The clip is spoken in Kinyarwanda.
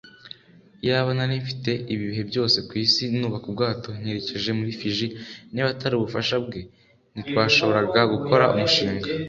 iyaba narimfite ibihe byose kwisi, nubaka ubwato nkerekeza muri fiji. niba atari ubufasha bwe, ntitwashoboraga gukora umushinga